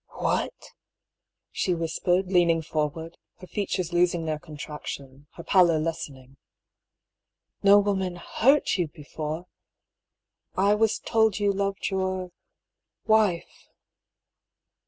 "What?" she whispered, leaning forward, her fea tures losing their contraction, her pallor lessening. " No woman hurt you before I I was told you loved your wife